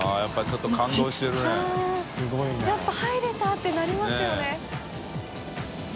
やっぱ「入れた！」ってなりますよね。